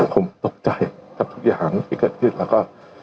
ผมตกใจกับทุกอย่างที่เกิดขึ้นแล้วก็